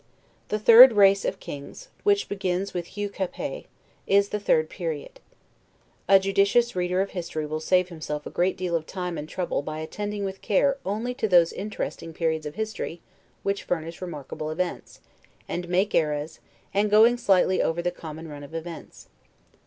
The third race of kings, which begins with Hugues Capet, is a third period. A judicious reader of history will save himself a great deal of time and trouble by attending with care only to those interesting periods of history which furnish remarkable events, and make eras, and going slightly over the common run of events.